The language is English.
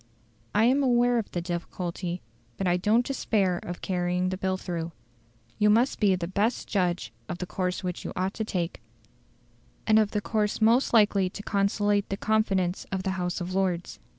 I am aware of the difficulty, but I don't despair of carrying the bill through. You must be the best judge of the course which you ought to take, and of the course most likely to conciliate the confidence of the House of Lords.